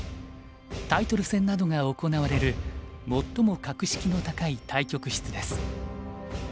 タイトル戦などが行われる最も格式の高い対局室です。